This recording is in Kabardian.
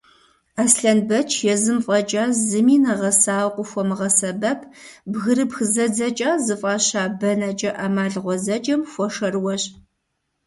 Аслъэнбэч езым фӏэкӏа зыми нэгъэсауэ къыхуэмыгъэсэбэп «бгырыпх зэдзэкӏа» зыфӏаща бэнэкӏэ ӏэмал гъуэзэджэм хуэшэрыуэщ.